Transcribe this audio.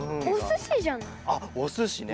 あっおすしね。